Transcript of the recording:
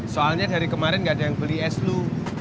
soalnya dari kemarin gak ada yang beli es lu